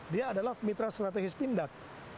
dia adalah mitra strategis pindad